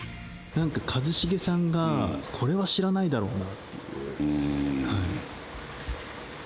なんか一茂さんがこれは知らないだろうなっていうのは。